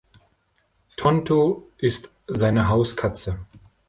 Tonto ist seine Hauskatze.